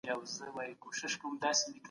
پاملرنه به زیاته پاته سي.